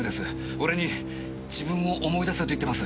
俺に自分を思い出せと言ってます。